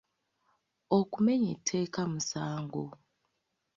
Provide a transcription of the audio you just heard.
Okumenya etteeka musango.